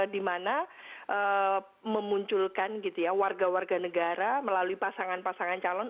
dimana memunculkan warga warga negara melalui pasangan pasangan calon